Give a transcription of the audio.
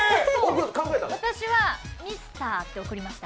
私は「ミスター」って送りました。